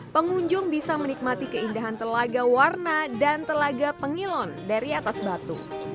pengunjung bisa menikmati keindahan telaga warna dan telaga pengilon dari atas batu